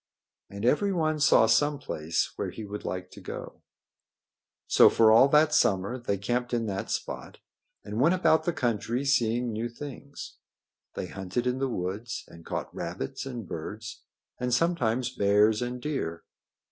And everyone saw some place where he would like to go. So for all that summer they camped in that spot and went about the country seeing new things. They hunted in the woods and caught rabbits and birds and sometimes bears and deer.